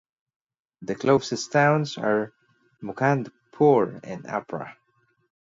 The closest towns are Mukandpur, and Apra.